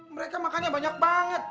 mereka makannya banyak banget